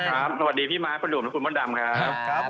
สวัสดีพี่ม้าคุณหลุมและคุณพ่อดำครับ